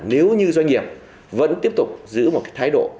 nếu như doanh nghiệp vẫn tiếp tục giữ một cái thái độ